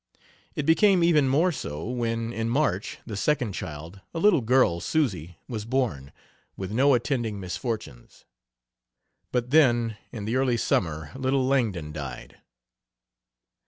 It became even more so when, in March, the second child, a little girl, Susy, was born, with no attending misfortunes. But, then, in the early summer little Langdon died.